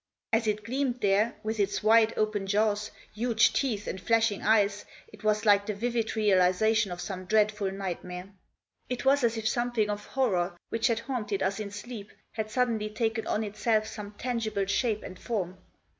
As it gleamed there, with its wide open jaws, huge teeth and flashing eyes, it was like the Digitized by ONE WAY IN. 95 vivid realisation of some dreadful nightmare. It was as if something of horror, which had haunted us in sleep, had suddenly taken oti itself some tangible shape and form.